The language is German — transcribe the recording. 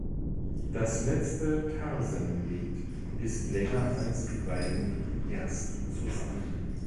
Das letzte Tarsenglied ist länger als die beiden ersten zusammen.